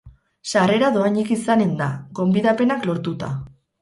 Sarrera dohainik izanen da, gonbidapenak lortuta.